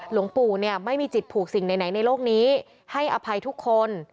หลวงปู่ไม่มีจิตผูกสิ่งไหนในโลกนี้ให้อภัยทุกคน